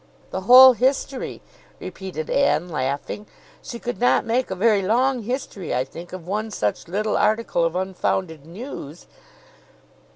"The whole history," repeated Anne, laughing. "She could not make a very long history, I think, of one such little article of unfounded news."